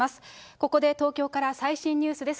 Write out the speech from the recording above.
ここで東京から最新ニュースです。